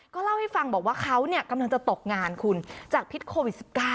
เล่าให้ฟังบอกว่าเขากำลังจะตกงานคุณจากพิษโควิด๑๙